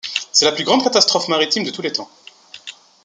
C'est la plus grande catastrophe maritime de tous les temps.